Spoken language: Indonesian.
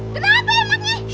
lah kenapa emang nih